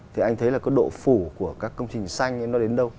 thì anh thấy là cái độ phủ của các công trình xanh ấy nó đến đâu